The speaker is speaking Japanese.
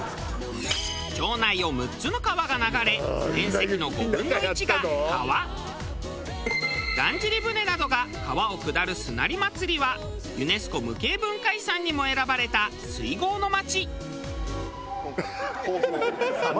町内を６つの川が流れ車楽船などが川を下る須成祭はユネスコ無形文化遺産にも選ばれた水郷の町。